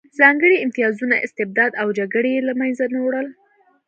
ځانګړي امتیازونه، استبداد او جګړې یې له منځه نه وړل